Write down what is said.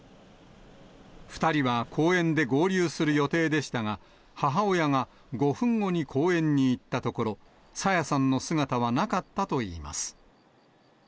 ２人は公園で合流する予定でしたが、母親が５分後に公園に行ったところ、朝芽さんの姿はなかったといいます。